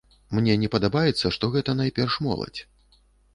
Мне не падабаецца, што гэта найперш моладзь.